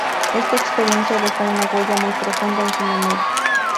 Esta experiencia dejó una huella muy profunda en su memoria.